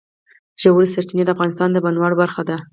ژورې سرچینې د افغانستان د بڼوالۍ برخه ده.